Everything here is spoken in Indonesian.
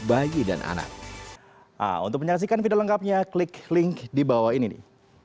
bayi dan anak untuk menyaksikan video lengkapnya klik link di bawah ini nih